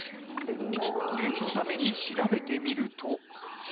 念のために調べてみると。